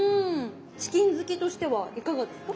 チキン好きとしてはいかがですか？